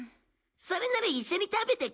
それなら一緒に食べてく？